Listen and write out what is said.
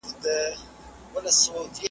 کشپ ولیدل له پاسه شنه کښتونه .